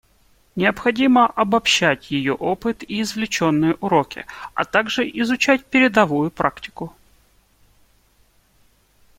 Необходимо обобщать ее опыт и извлеченные уроки, а также изучать передовую практику.